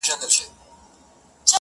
o که خس يم، د تا بس يم٫